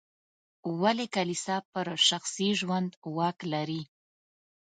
ولې کلیسا پر شخصي ژوند واک لري.